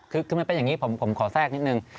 คือมันเป็นอย่างนี้ผมขอแทรกนิดนึง